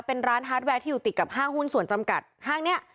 เป็นร้านฮาร์ดแวร์ที่อยู่ติดกับห้างหุ้นส่วนจำกัดห้างนี้